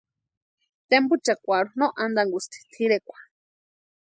Tempuchakwarhu no antankusti tʼirekwa.